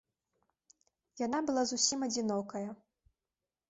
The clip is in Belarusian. Яна была зусім адзінокая.